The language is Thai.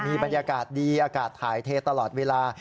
บรรยากาศดีอากาศถ่ายเทตลอดเวลา